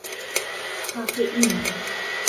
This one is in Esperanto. kafeino